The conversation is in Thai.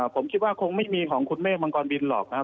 ผมคิดว่าคงไม่มีของคุณเมฆมังกรบินหรอกนะครับ